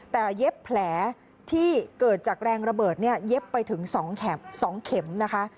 แต่เย็บแผลที่เกิดจากแรงระเบิดเนี่ยเย็บไปถึง๒เข็มนะคะ